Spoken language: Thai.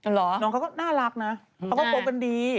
อ๋อเหรอเพราะเขาก็น่ารักนะเขาก็โบกันดี